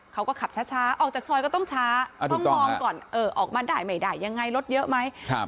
เขาก็ขับช้าออกจากซอยก็ต้องช้าต้องมองก่อนออกมาได้ไม่ได้ยังไงรถเยอะไหม